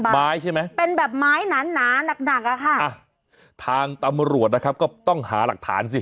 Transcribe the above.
ใช่ไหมเป็นแบบไม้หนาหนาหนักหนักอะค่ะทางตำรวจนะครับก็ต้องหาหลักฐานสิ